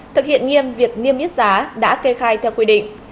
thực hiện nghiêm việc niêm yết giá đã kê khai theo quy định